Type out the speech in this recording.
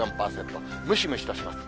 ムシムシとします。